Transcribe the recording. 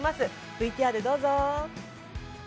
ＶＴＲどうぞ。